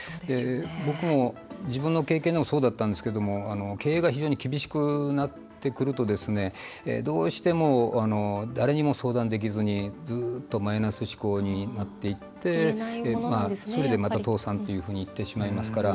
僕も自分の経験でもそうだったんですが経営が非常に厳しくなってくるとどうしても、誰にも相談できずにずっとマイナス思考になっていってそれで、また倒産というふうにいってしまいますから。